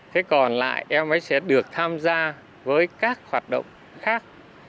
thế còn lại em ấy sẽ được tham gia với các hoạt động khác